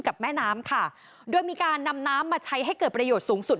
กับแม่น้ำค่ะโดยมีการนำน้ำมาใช้ให้เกิดประโยชน์สูงสุด